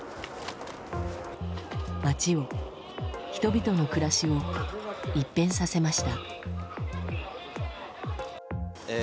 街を人々の暮らしを一変させました。